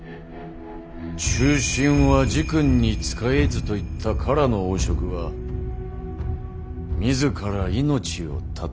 「忠臣は二君に仕えず」と言った唐の王燭は自ら命を絶った。